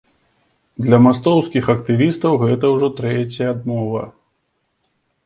Для мастоўскіх актывістаў гэта ўжо трэцяя адмова.